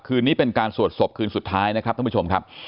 นี้เป็นการสวดศพคืนสุดท้ายนะครับท่านผู้ชมครับ